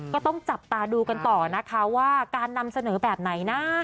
ก็ต้องจับตาดูกันต่อนะคะว่าการนำเสนอแบบไหนนะ